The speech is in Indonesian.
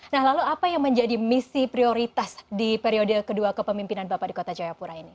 nah lalu apa yang menjadi misi prioritas di periode kedua kepemimpinan bapak di kota jayapura ini